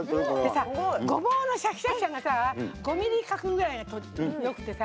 ごぼうのシャキシャキ感が５ｍｍ角ぐらいがよくてさ。